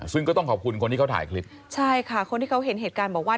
ซึ่งก็ต้องขอบคุณคนที่เขาถ่ายคลิปใช่ค่ะคนที่เขาเห็นเหตุการณ์บอกว่า